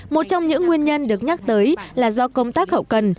một trong những nguyên nhân được nhắc tới là do công tác hậu cần